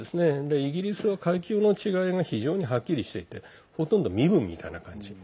イギリスは階級の違いが非常にはっきりしていてほとんど身分みたいな感じ。